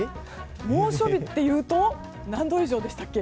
猛暑日というと何度以上でしたっけ？